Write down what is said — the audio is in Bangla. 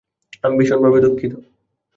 আমি ভীষনভাবে দুঃখিত।